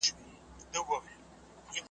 افريدی دی که مومند دی .